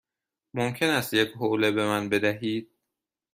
ممکن است یک حوله به من بدهید؟